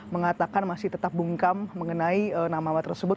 mengatakan masih tetap bungkam mengenai nama nama tersebut